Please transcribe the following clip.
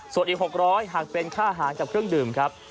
ส่วนอีก๖๐๐บาทหากเป็นค่าหางจากเครื่องดื่มครับ